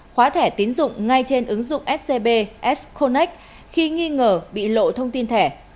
khóa thẻ tín dụng ngay trên ứng dụng scb s connect khi nghi ngờ bị lộ thông tin thẻ